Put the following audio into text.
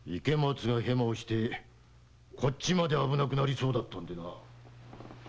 池松がヘマをしてこっちまで危なくなりそうだったんでな。